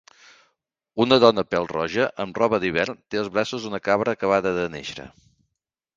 Una dona pèl-roja amb roba d'hivern té als braços una cabra acabada de néixer.